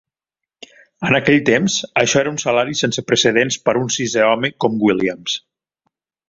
En aquell temps, això era un salari sense precedents per un sisè home com Williams.